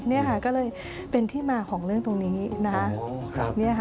นี่ก็เลยเป็นที่มาของเรื่องตรงนี้